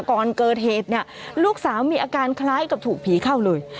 ก่อนเกิดเหตุเนี่ยลูกสาวมีอาการคล้ายกับถูกผีเข้าเลย